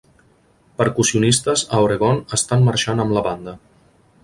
Percussionistes a Oregon estan marxant amb la banda.